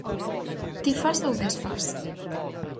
Ti fas ou desfás?